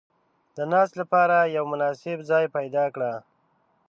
• د ناستې لپاره یو مناسب ځای پیدا کړه.